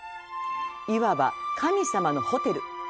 言わば、神様のホテル。